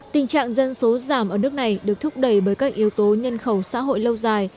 tình trạng dân số giảm ở nước này được thúc đẩy bởi các yếu tố nhân khẩu xã hội lâu dài